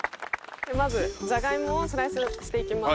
まずじゃがいもをスライスしていきます。